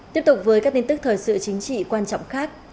tiếp tục với các tin tức thời sự chính trị quan trọng khác